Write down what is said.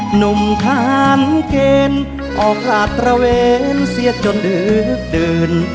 หนุ่มขานเคนออกลาดตระเวนเสียดจนดึกเดิน